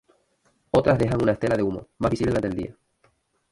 Otras dejan una estela de humo, más visible durante el día.